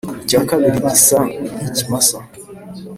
icya kabiri gisa n’ikimasa,